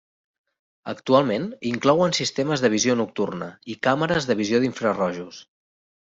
Actualment, inclouen sistemes de visió nocturna i càmeres de visió d'infrarojos.